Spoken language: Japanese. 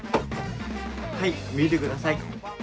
はい見てください